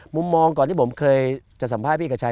มุมมองก่อนที่ผมเคยจะสัมภาษณ์พี่กระชัย